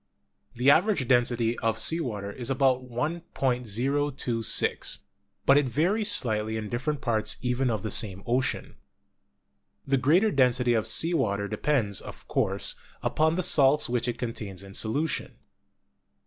The average density of sea water is about 1.026, but it varies slightly in different parts even of the same ocean. The greater density of sea water depends, of course, upon the salts which it contains in solution.